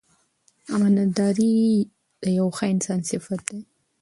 امانتداري د یو ښه انسان صفت دی.